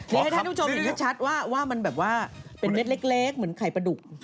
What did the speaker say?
ให้ทุกชมชัดว่ามันแบบว่าเป็นเล็กเหมือนไข่ปลาดุก